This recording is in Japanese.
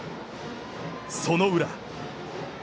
その裏。